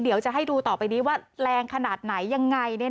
เดี๋ยวจะให้ดูต่อไปนี้ว่าแรงขนาดไหนยังไง